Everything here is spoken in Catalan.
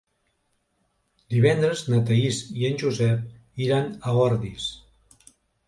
Divendres na Thaís i en Josep iran a Ordis.